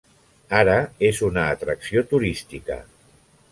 Ara és una atracció turística.